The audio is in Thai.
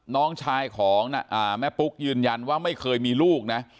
น้องชายของแม่ปุ๊กยืนยันว่าไม่เคยมีลูกนะ